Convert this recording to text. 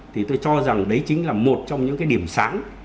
thì tôi cho rằng đấy chính là một trong những cái điểm sáng